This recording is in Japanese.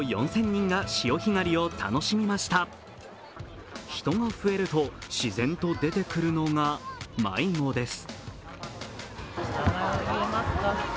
人が増えると自然と出てくるのが迷子です。